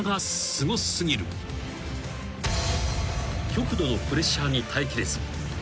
［極度のプレッシャーに耐えきれず］